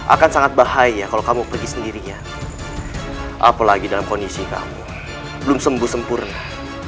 akan sangat bahaya kalau kamu pergi sendirinya apalagi dalam kondisi kamu belum sembuh sempurna